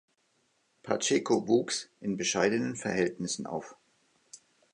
Pacheco wuchs in bescheidenen Verhältnissen auf.